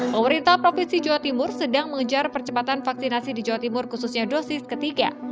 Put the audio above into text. pemerintah provinsi jawa timur sedang mengejar percepatan vaksinasi di jawa timur khususnya dosis ketiga